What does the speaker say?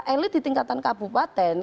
elit di tingkatan kabupaten